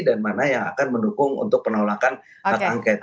dan mana yang akan mendukung untuk penolakan hak angket